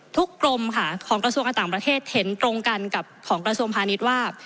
กรมค่ะของกระทรวงการต่างประเทศเห็นตรงกันกับของกระทรวงพาณิชย์ว่า